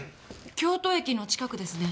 京都駅の近くですね。